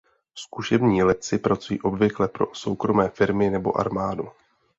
Zkušební letci pracují obvykle pro soukromé firmy nebo armádu.